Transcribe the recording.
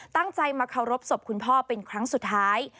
ตั้งใจมาเคารพศพคุณพ่อเป็นครั้งสุดท้าย